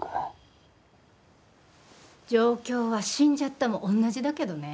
状況は死んじゃったも同じだけどね。